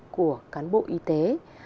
của cán bộ y tế